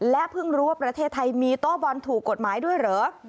และเพิ่งรู้ว่าประเทศไทยมีโต๊ะบอลถูกกฎหมายด้วยเหรอ